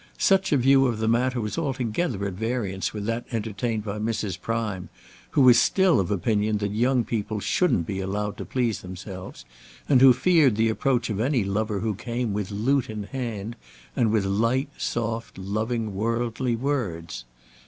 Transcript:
Such a view of the matter was altogether at variance with that entertained by Mrs. Prime, who was still of opinion that young people shouldn't be allowed to please themselves, and who feared the approach of any lover who came with lute in hand, and with light, soft, loving, worldly words.